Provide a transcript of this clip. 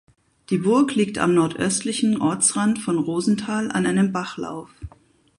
Die Burg liegt am nordöstlichen Ortsrand von Rosenthal an einem Bachlauf.